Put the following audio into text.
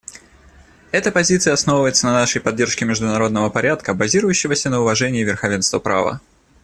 Эта позиция основывается на нашей поддержке международного порядка, базирующегося на уважении верховенства права.